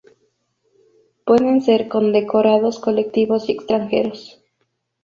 Pueden ser condecorados colectivos y extranjeros.